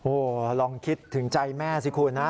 โอ้โหลองคิดถึงใจแม่สิคุณนะ